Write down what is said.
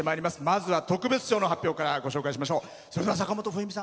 まずは特別賞の発表からご紹介しましょう。